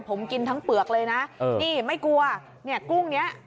ผมกินทั้งเปลือกเลยนะนี่ไม่กลัวเนี่ยกุ้งเนี้ย